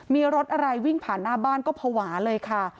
มีรถอะไรวิ่งผ่านหน้าบ้านก็ภาวะเลยค่ะ